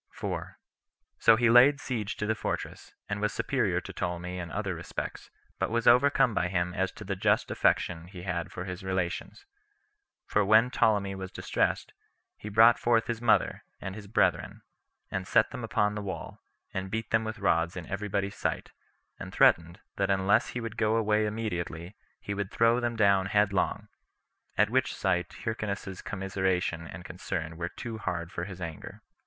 So he laid siege to the fortress, and was superior to Ptolemy in other respects, but was overcome by him as to the just affection [he had for his relations]; for when Ptolemy was distressed, he brought forth his mother, and his brethren, and set them upon the wall, and beat them with rods in every body's sight, and threatened, that unless he would go away immediately, he would throw them down headlong; at which sight Hyrcanus's commiseration and concern were too hard for his anger.